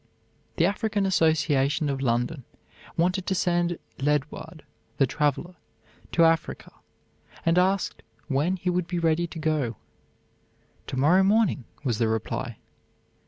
The African Association of London wanted to send Ledyard, the traveler, to Africa, and asked when he would be ready to go. "To morrow morning," was the reply.